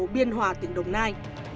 biên hòa tỉnh đồng nai